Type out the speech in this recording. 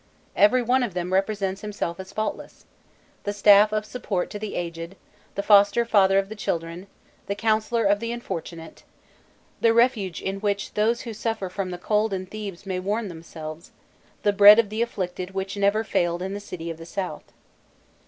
Every one of them represents himself as faultless: "the staff of support to the aged, the foster father of the children, the counsellor of the unfortunate, the refuge in which those who suffer from the cold in Thebes may warm themselves, the bread of the afflicted which never failed in the city of the South."